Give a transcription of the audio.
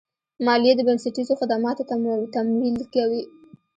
مالیه د بنسټیزو خدماتو تمویل کوي.